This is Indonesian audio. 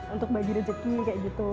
untuk baju rezeki kayak gitu